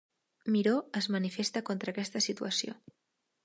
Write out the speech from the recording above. Miró es manifesta contra aquesta situació.